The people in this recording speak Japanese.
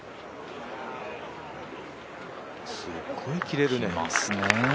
すっごい切れるね。